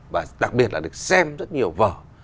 và đặc biệt là được xem rất nhiều vở